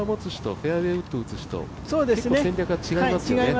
フェアウエーウッド打つ人、結構、戦略が違いますよね。